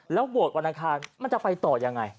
โหวตวันอังคารมันจะไปต่อยังไง